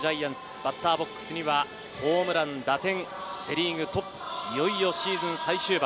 バッターボックスにはホームラン、打点、セ・リーグトップ、いよいよシーズン最終盤。